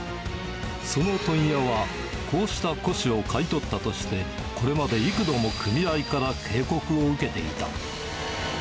その問屋はこうした古紙を買い取ったとして、これまで幾度も組合から警告を受けていた。